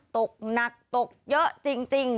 ตกหนักตกเยอะจริง